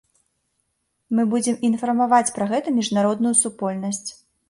Мы будзем інфармаваць пра гэта міжнародную супольнасць.